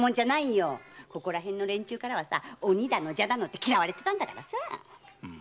ここらへんの連中からは「鬼」だの「蛇」だのって嫌われてたんだ！